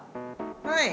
はい。